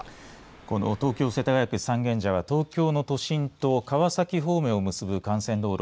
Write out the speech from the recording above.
この東京、世田谷区三軒茶屋は東京の都心と川崎方面を結ぶ幹線道路